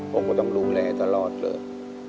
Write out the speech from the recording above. ผมก็ต้องดูแลตลอดเลย